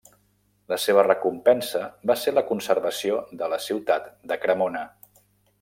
La seva recompensa va ser la conservació de la ciutat de Cremona.